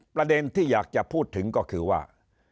ประเด็นที่อยากจะพูดถึงก็คือว่า